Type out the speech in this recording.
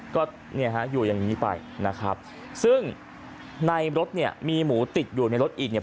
ก็เนี่ยฮะอยู่อย่างนี้ไปนะครับซึ่งในรถเนี่ยมีหมูติดอยู่ในรถอีกเนี่ย